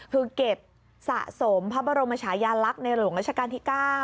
คือเก็บสะสมพระบรมชายาลักษณ์ในหลวงราชการที่๙